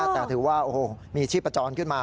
แต่ถือว่าโอ้โหมีชีพจรขึ้นมา